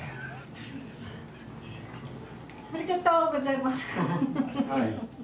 ありがとうございます。